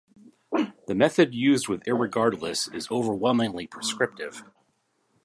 The method used with "irregardless" is overwhelmingly prescriptive.